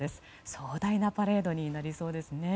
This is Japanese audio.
壮大なパレードになりそうですね。